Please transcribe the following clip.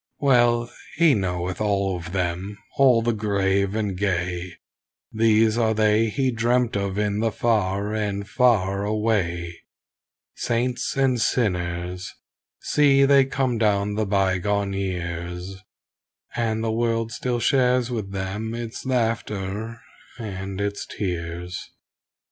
Well he knoweth all of them, all the grave and gay, These are they he dreamt of in the far and far away; Saints and sinners, see they come down the bygone years, And the world still shares with them its laughter and its tears.